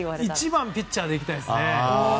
１番ピッチャーで行きたいですね。